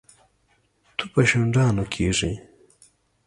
تو په شونډانو کېږي.